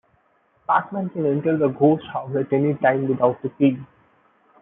Pac-Man can enter the ghost house at any time without a key.